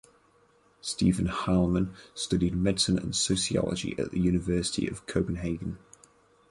Stephen Heilmann studied medicine and sociology at the University of Copenhagen.